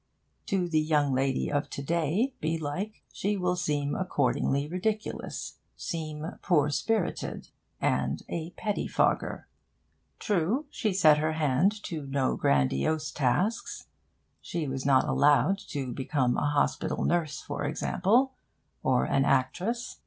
To the young lady of to day, belike, she will seem accordingly ridiculous seem poor spirited, and a pettifogger. True, she set her hand to no grandiose tasks. She was not allowed to become a hospital nurse, for example, or an actress.